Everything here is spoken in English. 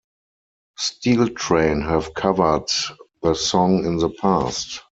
Steel Train have covered the song in the past.